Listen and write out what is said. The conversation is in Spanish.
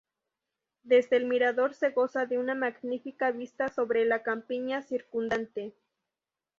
Desde el mirador se goza de una magnífica vista sobre la campiña circundante.